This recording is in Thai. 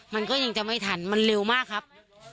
มันก็ยังจะไม่ทันมันเร็วมากครับ